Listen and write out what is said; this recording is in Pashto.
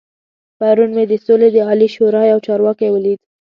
پرون مې د سولې د عالي شورا يو چارواکی ولید.